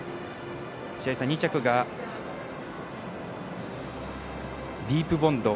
白井さん２着がディープボンド。